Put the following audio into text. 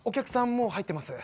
もう入ってます